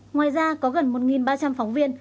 ngoài ra có gần một ba trăm linh phóng viên